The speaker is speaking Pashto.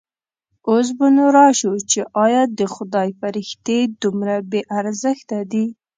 اوس به نو راشو چې ایا د خدای فرښتې دومره بې ارزښته دي.